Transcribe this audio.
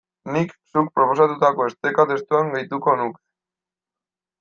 Nik zuk proposatutako esteka testuan gehituko nuke.